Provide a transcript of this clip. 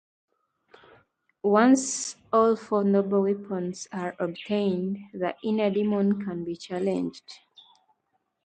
Once all four noble weapons are obtained, the Inner Demon can be challenged.